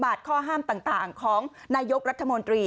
บาทข้อห้ามต่างของนายกรัฐมนตรี